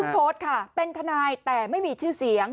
โพสต์ค่ะเป็นทนายแต่ไม่มีชื่อเสียง